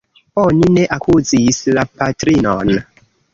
Oni ne akuzis la patrinon.